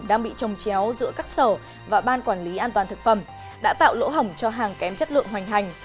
đang bị trồng chéo giữa các sở và ban quản lý an toàn thực phẩm đã tạo lỗ hỏng cho hàng kém chất lượng hoành hành